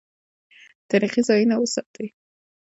تاریخي ځایونه وساتئ